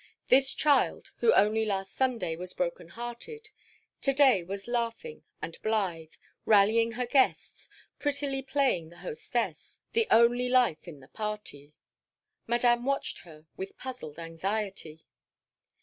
This child, who only last Saturday was broken hearted, to day was laughing and blithe, rallying her guests, prettily playing the hostess, the only life in the party. Madame watched her with puzzled anxiety.